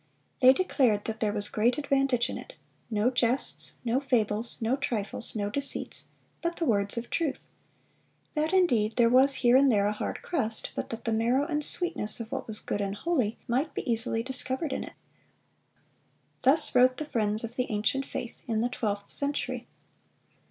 They declared "that there was great advantage in it; no jests, no fables, no trifles, no deceits, but the words of truth; that indeed there was here and there a hard crust, but that the marrow and sweetness of what was good and holy might be easily discovered in it."(352) Thus wrote the friends of the ancient faith, in the twelfth century.